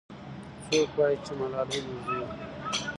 څوک وایي چې ملالۍ نورزۍ وه؟